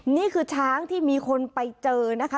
นี่คือช้างที่มีคนไปเจอนะคะ